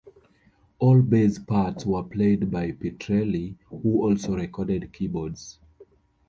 All bass parts were played by Pitrelli, who also recorded keyboards.